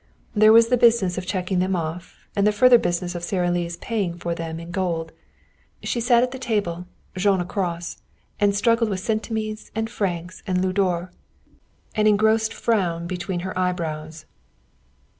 There was the business of checking them off, and the further business of Sara Lee's paying for them in gold. She sat at the table, Jean across, and struggled with centimes and francs and louis d'or, an engrossed frown between her eyebrows.